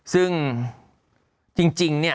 ซึ่งจริงเนี่ย